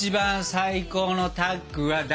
最高のタッグは誰？